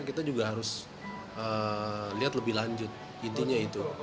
kita juga harus lihat lebih lanjut intinya itu